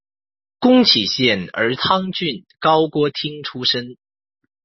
宫崎县儿汤郡高锅町出身。